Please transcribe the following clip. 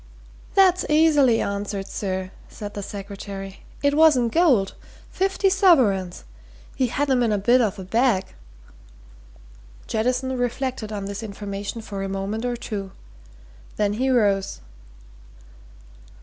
"That's easy answered, sir," said the secretary. "It was in gold. Fifty sovereigns he had 'em in a bit of a bag." Jettison reflected on this information for a moment or two. Then he rose.